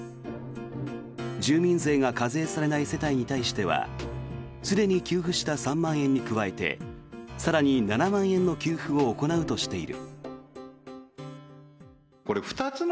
住民税が課税されない世帯に対してはすでに給付した３万円に加えて更に７万円の給付を行うとしている。